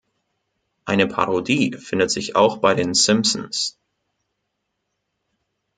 Eine Parodie findet sich auch bei den "Simpsons".